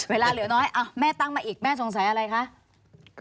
เวลาเหลือน้อยแม่ตั้งมาอีกแม่สงสัยอะไรคะ